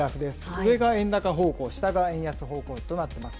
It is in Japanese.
上が円高方向、下が円安方向となってます。